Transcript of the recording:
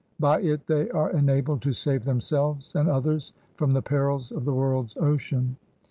By it they are enabled to save themselves and others from the perils of the world's ocean.